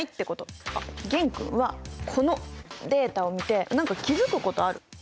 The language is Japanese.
玄君はこのデータを見て何か気付くことある？